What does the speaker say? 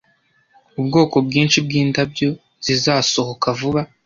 Ubwoko bwinshi bwindabyo zizasohoka vuba.